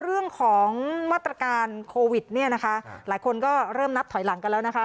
เรื่องของมาตรการโควิดเนี่ยนะคะหลายคนก็เริ่มนับถอยหลังกันแล้วนะคะ